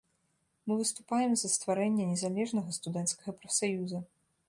Мы выступаем за стварэнне незалежнага студэнцкага прафсаюза.